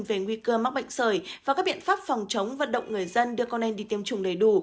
về nguy cơ mắc bệnh sởi và các biện pháp phòng chống vận động người dân đưa con em đi tiêm chủng đầy đủ